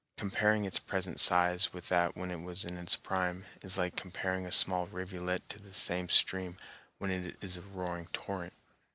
Comparing its present size with that when it was in its prime, is like comparing a small rivulet to the same stream when it is a roaring torrent.